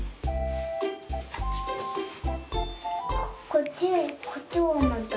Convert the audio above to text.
こっちこっちもまた。